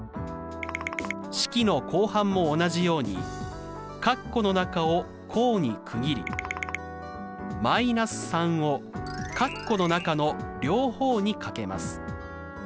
式の後半も同じように括弧の中を項に区切り−３を括弧の中の両方に掛けます。